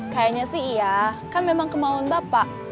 kayaknya sih iya kan memang kemauan bapak